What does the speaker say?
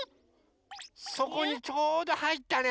そこにちょうどはいったね。